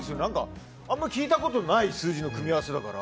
あんまり聞いたことのない数字の組み合わせだから。